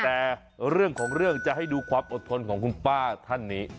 แต่เรื่องของเรื่องจะให้ดูความอดทนของคุณป้าท่านนี้